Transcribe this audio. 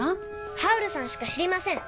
ハウルさんしか知りません。